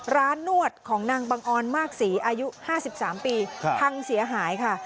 นวดของนางบังออนมากศรีอายุ๕๓ปีพังเสียหายค่ะ